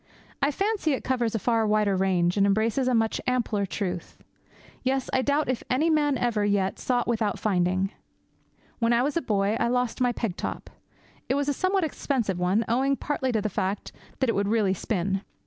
I fancy it covers a far wider range, and embraces a much ampler truth. Yes, I doubt if any man ever yet sought without finding. When I was a boy I lost my peg top. It was a somewhat expensive one, owing partly to the fact that it would really spin.